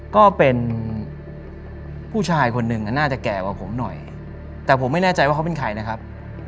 ก็เป็นผู้ชายคนหนึ่งน่าจะแก่กว่าผมหน่อยแต่ผมไม่แน่ใจว่าเขาเป็นใครนะครับ